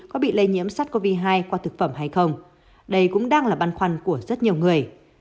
có bị lây nhiễm sars cov hai qua thực phẩm hay không đây cũng đang là băn khoăn của rất nhiều người